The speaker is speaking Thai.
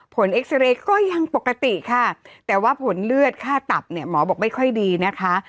เอ็กซาเรย์ก็ยังปกติค่ะแต่ว่าผลเลือดค่าตับเนี่ยหมอบอกไม่ค่อยดีนะคะ